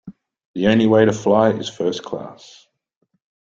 The only way too fly is first class